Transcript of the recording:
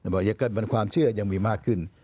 บอกมันความเชื่อยังมีมากขึ้น